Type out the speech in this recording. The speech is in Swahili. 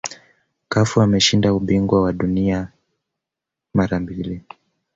cafu ameshinda ubingwa wa dunia mara mbili